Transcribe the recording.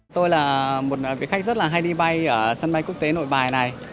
tôi là một người khách rất hay đi bay ở sân bay quốc tế nội bài này